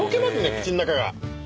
口ん中が。